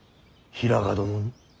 平賀殿に。